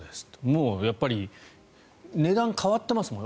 もう、やっぱり値段が変わってますもんね。